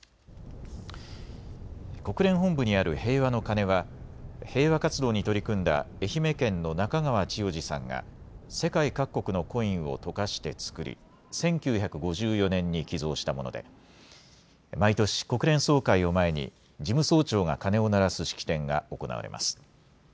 国連本部にある平和の鐘は平和活動に取り組んだ愛媛県の中川千代治さんが世界各国のコインを溶かして作り１９５４年に寄贈したもので毎年、国連総会を前に事務総長が鐘を鳴らす式典が行われます。